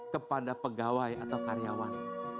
kepada pegawai atau karyawan